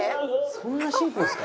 そんなシンプルですか？